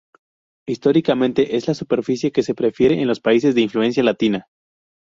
Históricamente es la superficie que se prefiere en los países de influencia latina.